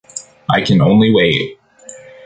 I can only wait.